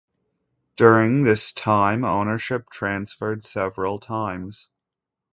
During this time, ownership transferred several times.